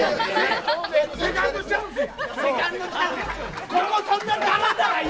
セカンドチャンスや。